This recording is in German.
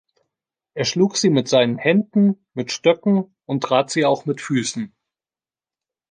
Er schlug sie mit seinen Händen, mit Stöcken und trat sie auch mit Füßen.